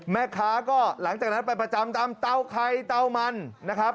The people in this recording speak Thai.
แม่ค้าก็หลังจากนั้นไปประจำตามเตาไข่เตามันนะครับ